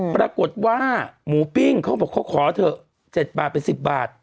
ปรากฏว่าหมูปิ้งเขาบอกเขาขอเถอะ๗บาทเป็น๑๐บาท